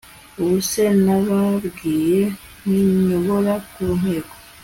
ubuse nababwiye nti nyobora ku ntego